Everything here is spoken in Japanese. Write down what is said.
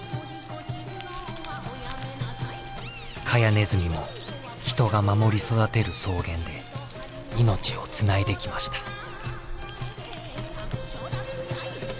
カヤネズミも人が守り育てる草原で命をつないできました。